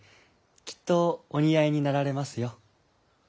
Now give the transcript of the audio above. きっとお似合いになられますよ。